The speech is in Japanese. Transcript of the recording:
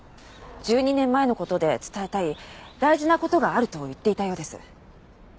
１２年前の事で伝えたい大事な事があると言っていたようです。